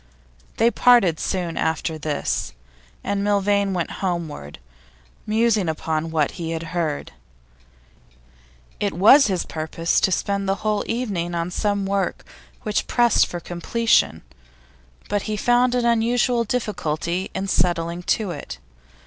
They parted soon after this, and Milvain went homeward, musing upon what he had heard. It was his purpose to spend the whole evening on some work which pressed for completion, but he found an unusual difficulty in settling to it.